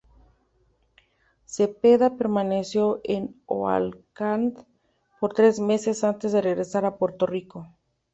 Cepeda permaneció en Oakland por tres meses antes de regresar a Puerto Rico.